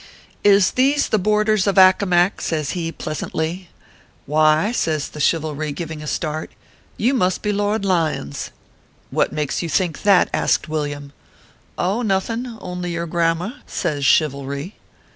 "Is these the borders of Accomac ?" says he, pleas antly. " Why !" says the Chivalry, giving a start, "you must be Lord Lyons." " What makes you think that ?" asked Villiam. " Oh, nothing only your grammar/ says Chivalry.